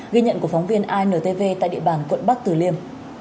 ghi nhận của phóng viên intv tại địa bàn quận bắc tử liêm